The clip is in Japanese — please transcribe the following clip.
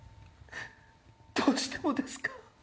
どうしてもですか？